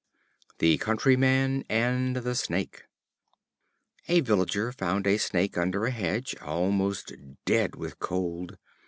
The Countryman and the Snake. A Villager found a Snake under a hedge, almost dead with cold.